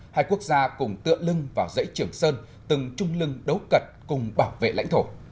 hai quốc gia cùng tựa lưng vào dãy trường sơn từng trung lưng đấu cật cùng bảo vệ lãnh thổ